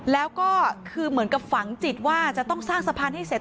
แล้วก็คือเหมือนกับฝังจิตว่าจะต้องสร้างสะพานให้เสร็จ